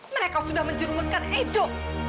mereka sudah menjerumuskan edo